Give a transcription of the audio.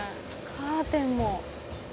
カーテンも。